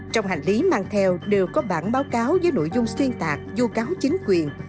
trong hành lý mang theo đều có bản báo cáo với nội dung xuyên tạc du cáo chính quyền